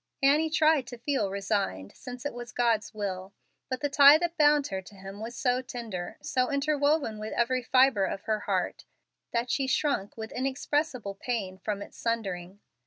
Annie tried to feel resigned, since it was God's will. But the tie that bound her to him was so tender, so interwoven with every fibre of her heart, that she shrunk with inexpressible pain from its sundering.